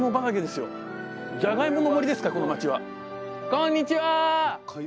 こんにちは。